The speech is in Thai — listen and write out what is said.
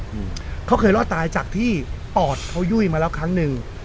อืมเขาเคยรอดตายจากที่ปอดเขายุ่ยมาแล้วครั้งหนึ่ง